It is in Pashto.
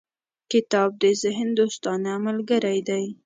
• کتاب د ذهن دوستانه ملګری دی.